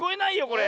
これ。